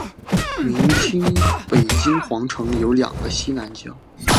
明清北京皇城有两个西南角。